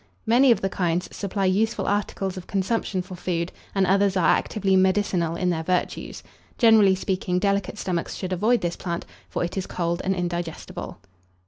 Many of the kinds supply useful articles of consumption for food, and others are actively medicinal in their virtues. Generally speaking, delicate stomachs should avoid this plant, for it is cold and indigestible.